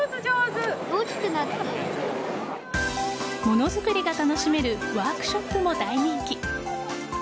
ものづくりが楽しめるワークショップも大人気。